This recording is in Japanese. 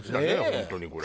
本当にこれ。